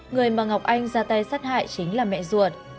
người mà ngọc anh ra tay sát hại chính là mẹ ruột